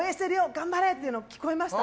頑張れっていう声が聞こえました。